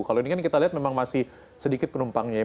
kalau ini kan kita lihat memang masih sedikit penumpangnya ya